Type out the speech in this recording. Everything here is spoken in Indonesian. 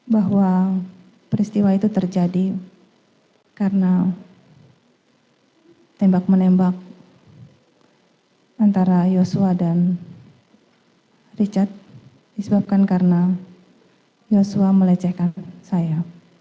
bahwa peristiwa itu terjadi karena tembak menembak antara yosua dan richard disebabkan karena yosua melecehkan saya